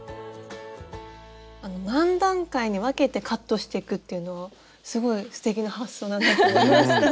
何段階に分けてカットしていくっていうのをすごいすてきな発想だなと思いました。